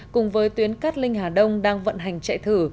cùng với tuyến cát linh hà đông đang vận hành chạy thử